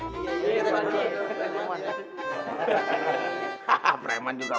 keduan tremah gitu ya